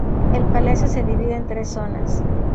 El palacio se divide en tres zonas.